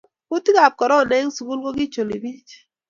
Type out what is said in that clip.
Kutikab korona eng' sukul ko kicholi pich